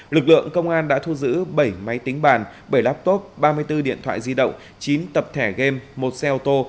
lực lượng công an đã thu giữ bảy máy tính bàn bảy laptop ba mươi bốn điện thoại di động chín tập thể game một xe ô tô